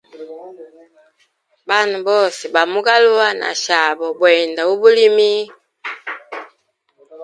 Bana Babose bamugaluwa na shabo bwenda ubulimi.